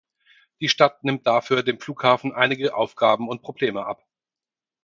Die Stadt nimmt dafür dem Flughafen einige Aufgaben und Probleme ab.